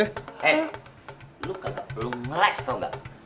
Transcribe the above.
eh lu kagak perlu ngeles tau gak